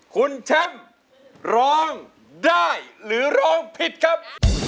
คุณแชมป์ร้องได้หรือร้องผิดครับ